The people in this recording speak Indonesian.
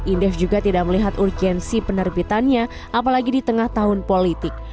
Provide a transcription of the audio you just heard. indef juga tidak melihat urgensi penerbitannya apalagi di tengah tahun politik